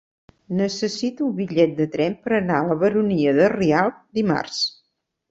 Necessito un bitllet de tren per anar a la Baronia de Rialb dimarts.